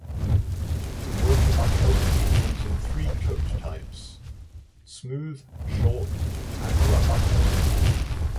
The Working Kelpie comes in three coat types: smooth, short, and rough.